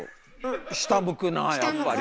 下向くなあやっぱり。